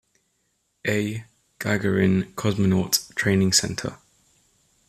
A. Gagarin Cosmonaut Training Center.